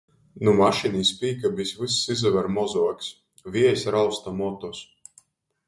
Nu mašynys pīkabis vyss izaver mozuoks, viejs rausta motus.